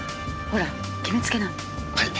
ほら決めつけない。